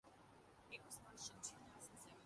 کہ وہ ایک دوسرے کا دکھ درد بھی محسوس کرتے ہیں ۔